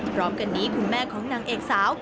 พร้อมกันนี้คุณแม่ของนางเอกสาว